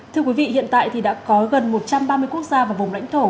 thưa quý vị hiện tại thì đã có gần một trăm ba mươi quốc gia và vùng lãnh thổ